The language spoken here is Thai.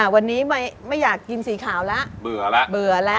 วันนี้ไม่อยากกินสีขาวละเบื่อละ